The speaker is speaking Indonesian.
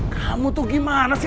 kamu tuh gimana sih